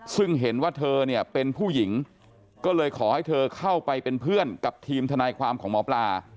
ซึ่งเห็นว่าเธอเนี่ยเป็นผู้หญิงก็เลยขอให้เธอเข้าไปเป็นเพื่อนกับทีมทนายความของหมอปลา